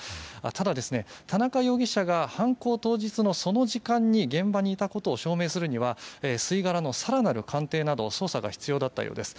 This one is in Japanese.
ただ、田中容疑者が犯行当日のその時間に現場にいたことを証明するには吸い殻の更なる鑑定など捜査が必要だったようです。